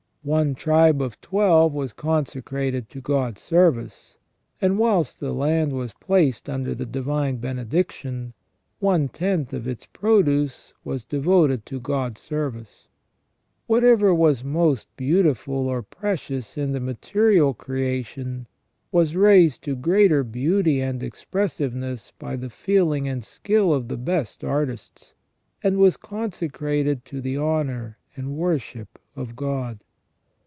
One tribe of twelve was consecrated to God's service : and whilst the land was placed under the divine benediction, one tenth of its produce was devoted to God's service. \Vhatever was most beautiful or precious in the material creation was raised to greater beauty and expressiveness by the feeling and skill of the best artists, and was consecrated to the honour and worship of God.